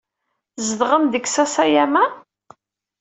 Tzedɣem deg Sasayama?